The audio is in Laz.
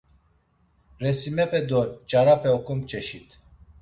Resimepe do ç̌arape oǩomç̌eşit.